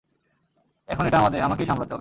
এখন এটা আমাকেই সামলাতে হবে।